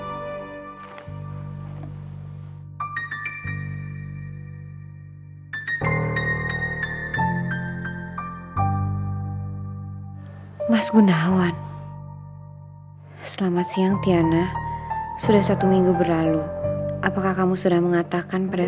hai mas gundawan selamat siang tiana sudah satu minggu berlalu apakah kamu sudah mengatakan pada